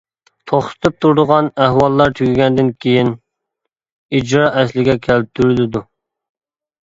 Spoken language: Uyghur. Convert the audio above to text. توختىتىپ تۇرىدىغان ئەھۋاللار تۈگىگەندىن كېيىن، ئىجرا ئەسلىگە كەلتۈرۈلىدۇ.